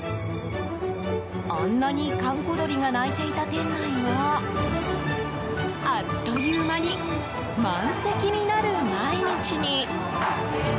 あんなに閑古鳥が鳴いていた店内があっという間に満席になる毎日に。